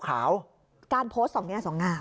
การโพสต์สองแง่สองงาม